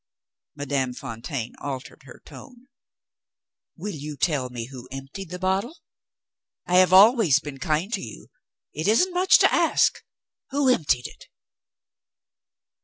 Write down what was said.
Madame Fontaine altered her tone. "Will you tell me who emptied the bottle? I have always been kind to you it isn't much to ask. Who emptied it?"